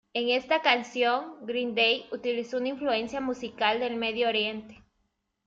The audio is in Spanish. En esta canción, Green Day utilizó una influencia musical del Medio Oriente.